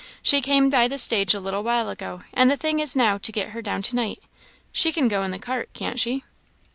She came by the stage a little while ago, and the thing is now to get her down to night. She can go in the cart, can't she?"